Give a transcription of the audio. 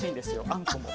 あんこも。